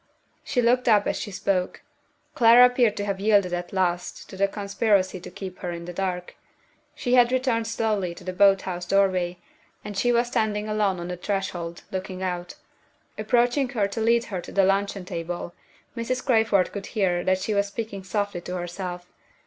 She looked up as she spoke. Clara appeared to have yielded at last to the conspiracy to keep her in the dark. She had returned slowly to the boat house doorway, and she was standing alone on the threshold, looking out. Approaching her to lead her to the luncheon table, Mrs. Crayford could hear that she was speaking softly to herself.